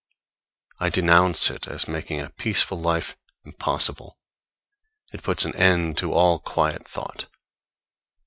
I denounce it as making a peaceful life impossible; it puts an end to all quiet thought.